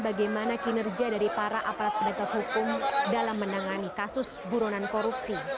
bagaimana kinerja dari para aparat penegak hukum dalam menangani kasus buronan korupsi